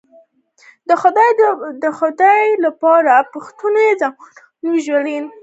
د خدای د پاره پښتنو ځانونه وپېژنئ